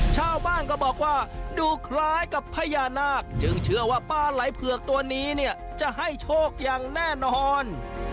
ชาวบ้านก็บอกว่าดูคล้ายกับพญานาคจึงเชื่อว่าปลาไหลเผือกตัวนี้เนี่ยจะให้โชคอย่างแน่นอน